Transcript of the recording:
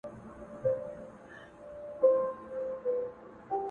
له ميرويس او له احمده دغه خاوره می میراث دی